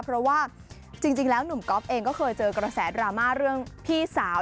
เพราะว่าจริงแล้วหนุ่มก๊อฟเองก็เคยเจอกระแสดราม่าเรื่องพี่สาว